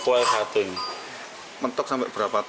karena mereka makin kami mixer untuk mengganti kumpulan mainannya